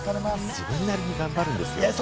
自分なりに頑張るんですよ。